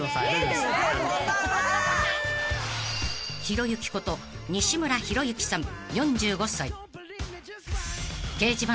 ［ひろゆきこと西村博之さん４５歳］